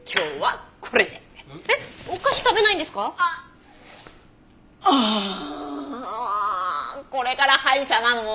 これから歯医者なの。